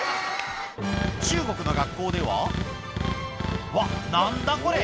中国の学校では、わっ、なんだこれ？